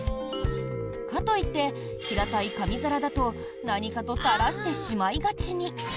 かといって、平たい紙皿だと何かと垂らしてしまいがちに。